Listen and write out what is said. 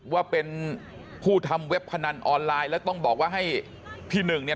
ว่าเป็นผู้ทำเว็บพนันออนไลน์แล้วต้องบอกว่าให้พี่หนึ่งเนี่ย